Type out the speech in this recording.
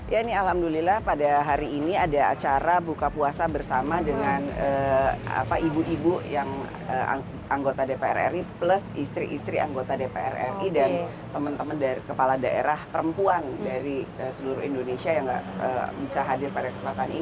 ya ini alhamdulillah pada hari ini ada acara buka puasa bersama dengan ibu ibu yang anggota dpr ri plus istri istri anggota dpr ri dan temen temen kepala daerah perempuan dari seluruh indonesia yang gak berada di sekolah partai